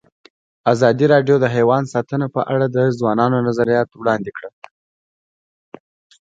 ازادي راډیو د حیوان ساتنه په اړه د ځوانانو نظریات وړاندې کړي.